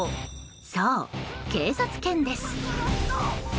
そう、警察犬です。